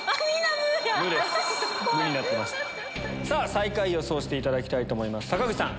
最下位予想していただきたいと思います坂口さん。